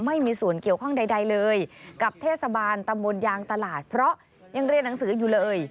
ไม่มีส่วนเกี่ยวข้องใดเลยกับเทศบาลตำบลยางตลาดเพราะยังเรียนหนังสืออยู่เลย